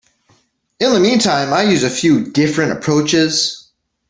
In the meantime, I use a few different approaches.